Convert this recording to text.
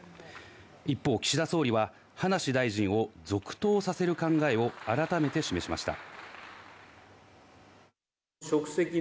一方、岸田総理は葉梨大臣を続投させる考えを改めて示しました。